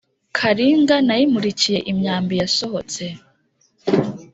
Kalinga nayimulikiye imyambi yasohotse,